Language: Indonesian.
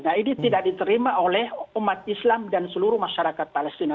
nah ini tidak diterima oleh umat islam dan seluruh masyarakat palestina